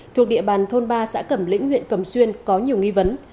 thuộc địa bàn thôn ba xã cẩm lĩnh huyện cẩm xuyên có nhiều nghi vấn